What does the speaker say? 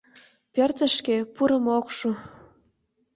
Пӧртышкӧ пурымо ок шу...